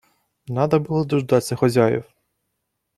Надо было дожидаться хозяев.